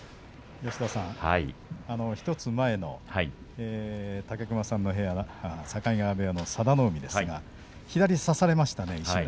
１つ前の武隈さんの部屋境川部屋の佐田の海ですが左を差されましたね、一瞬。